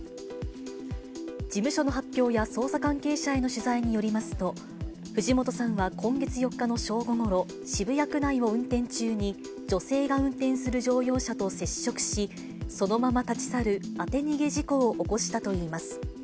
事務所の発表や捜査関係者への取材によりますと、藤本さんは今月４日の正午ごろ、渋谷区内を運転中に、女性が運転する乗用車と接触し、そのまま立ち去る当て逃げ事故を起こしたといいます。